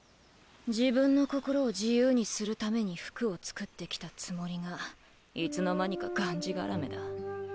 自分の心を自由にするために服を作って来たつもりがいつの間にかがんじがらめだ。